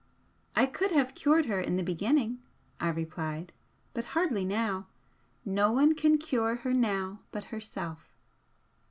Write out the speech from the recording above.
"I could have cured her in the beginning," I replied, "But hardly now. No one can cure her now but herself."